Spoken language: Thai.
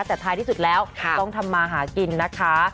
แต่ท้ายที่สุดแล้วต้องทำมาหากินนะคะ